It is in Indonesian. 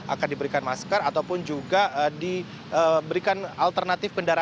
akan diberikan masker ataupun juga diberikan alternatif kendaraan